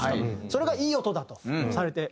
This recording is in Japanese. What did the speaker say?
それがいい音だとされて。